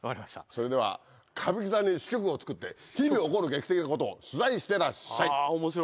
それでは歌舞伎座に支局をつくって日々起こる劇的なことを取材してらっしゃい。